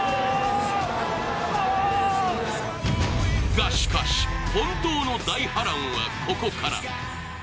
がしかし、本当の大波乱はここから。